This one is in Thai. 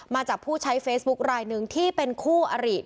มาจากผู้ใช้เฟซบุ๊คลายหนึ่งที่เป็นคู่อริ